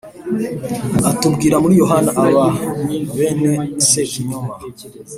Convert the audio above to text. atubwira muri Yohani Aba bene Sekinyoma, "